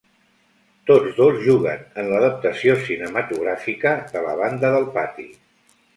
Tots dos juguen en l'adaptació cinematogràfica de la banda del pati.